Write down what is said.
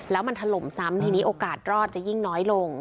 แล้วมันถล่มซ้ำทีนี้โอกาสรอดจะยิ่งน้อยลง